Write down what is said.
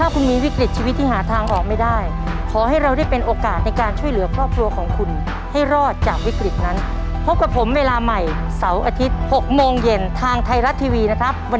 สุขภาพแข็งแรงนะครับ